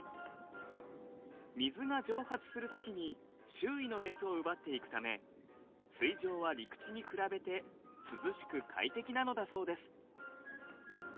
水が蒸発するときに周囲の熱を奪っていくため水上は陸地に比べて涼しく快適なのだそうです。